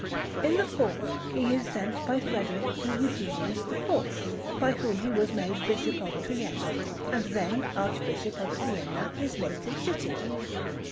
In the fourth he is sent by Frederick to Eugenius IV, by whom he was made Bishop of Trieste, and then Archbishop of Siena, his native city.